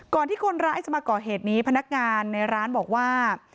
ที่คนร้ายจะมาก่อเหตุนี้พนักงานในร้านบอกว่า